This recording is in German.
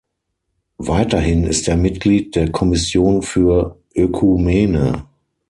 Weiterhin ist er Mitglied der Kommission für Ökumene.